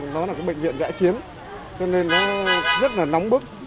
nó là bệnh viện giá chiến cho nên nó rất là nóng bức